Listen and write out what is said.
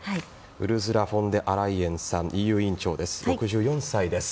ウルズラ・フォン・デア・ライエンさんＥＵ委員長、６４歳です。